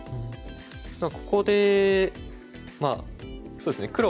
ここでそうですね